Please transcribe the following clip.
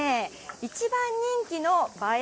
一番人気の映え